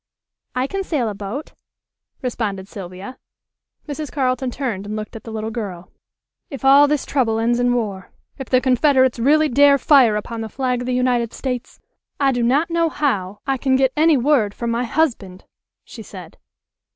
"I can sail a boat," responded Sylvia. Mrs. Carleton turned and looked at the little girl. "If all this trouble ends in war, if the Confederates really dare fire upon the flag of the United States, I do not know how I can get any word from my husband," she said.